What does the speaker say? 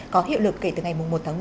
có hiệu lực kể từ ngày một bảy